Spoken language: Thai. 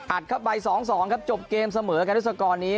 อัดเข้าไป๒๒ครับจบเกมเสมอกับรุษกรนี้